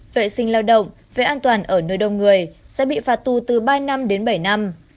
vệ sinh lao động về an toàn ở nơi đông người sẽ bị phạt tù từ ba năm đến bảy năm